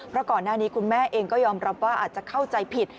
เพราะก่อนหน้านี้คุณแม่เองก็ยอมรับว่าอาจจะเข้าใจผิด